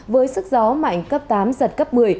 với sức gió mạnh cấp tám giật cấp một mươi